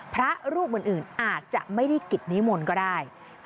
พระรูปอื่นอาจจะไม่ได้กิจนิมนต์ก็ได้